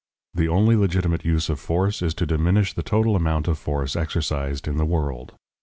The only legitimate use of force is to diminish the total amount of force exercised in the world.